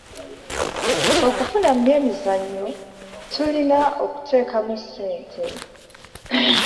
Okufuna mu by'emizannyo tulina okuteekamu ssente